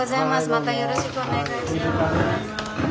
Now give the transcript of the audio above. またよろしくお願いします。